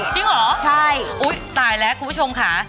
จริงเหรอใช่อุ๊ยตายแล้วคุณผู้ชมค่ะ